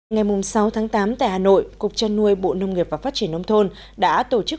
ngày sáu tháng tám tại hà nội cục trăn nuôi bộ nông nghiệp và phát triển nông thôn đã tổ chức